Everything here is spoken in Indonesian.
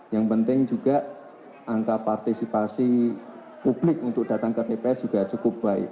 yang penting juga angka partisipasi publik untuk datang ke tps juga cukup baik